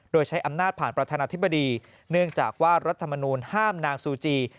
โดยใช้อำนาจผ่านประธานาธิบดีเนื่องจากว่ารัฐมนูลห้ามนางซูจี